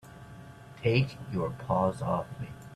Take your paws off me!